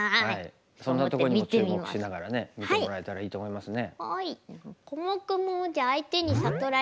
そんなことにも注目しながらね見てもらえたらいいと思いますね。